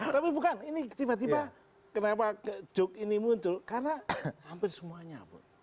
tapi bukan ini tiba tiba kenapa joke ini muncul karena hampir semuanya